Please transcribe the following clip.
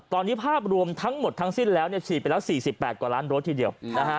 ตอนนี้ภาพรวมทั้งหมดทั้งสิ้นแล้วฉีดไปแล้ว๔๘กว่าล้านโดสทีเดียวนะฮะ